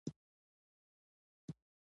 پښتو نه يوازې ژبه ده بلکې پښتو يو فرهنګ هم دی.